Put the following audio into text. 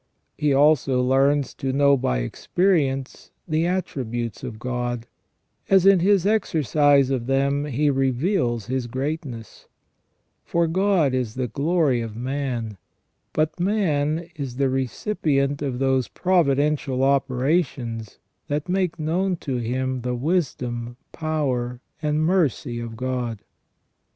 He also learns to know by experience the attributes of God, as in His exercise of them He reveals His greatness : for God is the glory of man, but man is the recipient WHY MAN WAS NOT CREATED PERFECT 275 of those providential operations that make known to him the wisdom, power, and mercy of God.